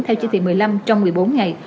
theo chỉ thị một mươi năm trong một mươi bốn ngày